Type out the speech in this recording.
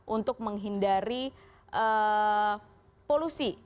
untuk menghindari polusi